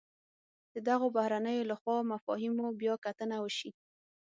د دغو بهیرونو له خوا مفاهیمو بیا کتنه وشي.